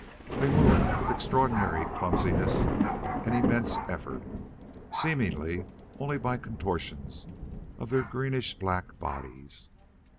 They moved with extraordinary clumsiness and immense effort, seemingly only by contortions of their greenish black bodies.